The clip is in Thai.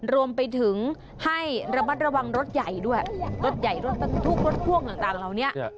รวมไปถึงให้ระมัดระวังรถใหญ่ด้วยรถใหญ่รถบรรทุกรถพ่วงต่างเหล่านี้